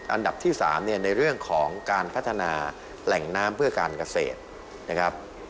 อันดับที่๓เนี่ยในเรื่องของการพัฒนาแหล่งน้ำเพื่อการเกษตรนะครับ